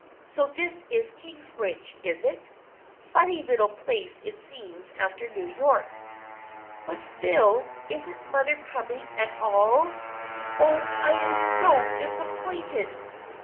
So this is Kingsbridge, is it? Funny little place it seems after New York." " But Phil, isn't mother coming at all? Oh, I am so disappointed